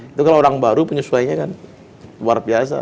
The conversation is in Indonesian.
itu kalau orang baru penyesuainya kan luar biasa